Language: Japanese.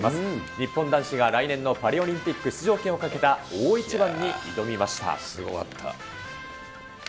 日本男子が来年のパリオリンピック出場権をかけた大一番に挑みますごかった。